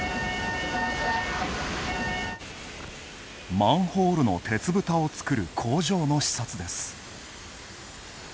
マンホールの鉄ぶたを作る工場の視察です。